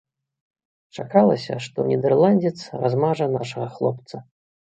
Чакалася, што нідэрландзец размажа нашага хлопца.